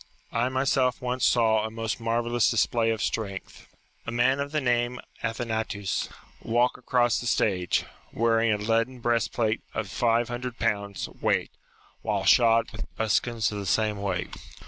I myself once saw, — a most marvellous display of strength, — a man of the name of Athanatus walk across the stage, wearing a leaden breast plate of five hundred pounds weight, while shod with buskins of the same weight.